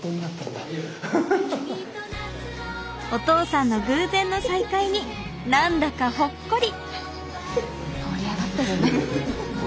お父さんの偶然の再会に何だかほっこり！